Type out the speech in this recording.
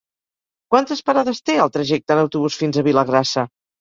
Quantes parades té el trajecte en autobús fins a Vilagrassa?